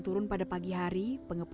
berusia dua belas menit